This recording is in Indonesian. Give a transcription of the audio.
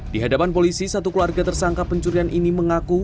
di hadapan polisi satu keluarga tersangka pencurian ini mengaku